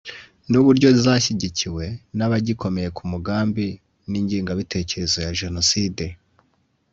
ni uburyo zashyigikiwe n’abagikomeye ku mugambi n’ingengabitekerezo ya Jenoside